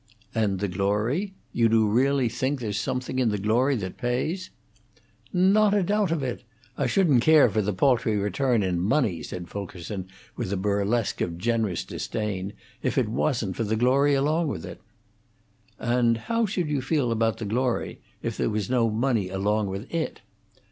"And the glory you do really think there's something in the glory that pays?" "Not a doubt of it! I shouldn't care for the paltry return in money," said Fulkerson, with a burlesque of generous disdain, "if it wasn't for the glory along with it." "And how should you feel about the glory, if there was no money along with it?"